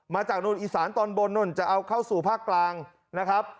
มาจากนู่นอีสานตอนบนนู่นจะเอาเข้าสู่ภาคกลางนะครับ